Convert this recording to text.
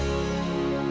kau mau bertanya